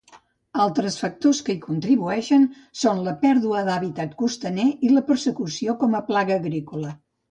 Altres factors que hi contribueixen són la pèrdua d'hàbitat costaner i la persecució com a plaga agrícola.